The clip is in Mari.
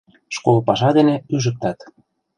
Школ паша дене ӱжыктат.